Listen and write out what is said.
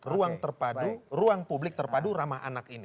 ruang terpadu ruang publik terpadu ramah anak ini